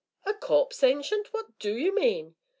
"A corpse, Ancient; what do you mean?"